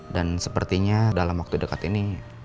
dan sepertinya dalam waktu dekat ini